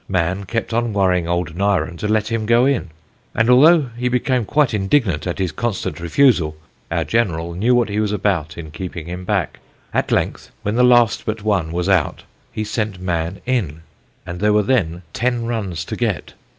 Mann kept on worrying old Nyren to let him go in, and although he became quite indignant at his constant refusal, our General knew what he was about in keeping him back. At length, when the last but one was out, he sent Mann in, and there were then ten runs to get.